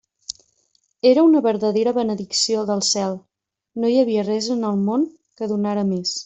Era una verdadera benedicció del cel; no hi havia res en el món que donara més.